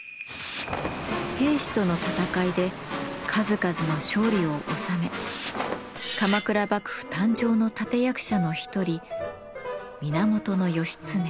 平氏との戦いで数々の勝利を収め鎌倉幕府誕生の立て役者の一人源義経。